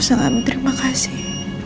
sangat berterima kasih